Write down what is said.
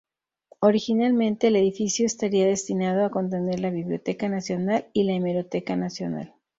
Originalmente, el edificio estaría destinado a contener la Biblioteca Nacional y la Hemeroteca Nacional.